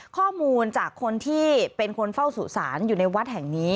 ข้อมูลจากคนที่เป็นคนเฝ้าสุสานอยู่ในวัดแห่งนี้